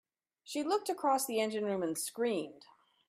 She looked across the engine room and screamed.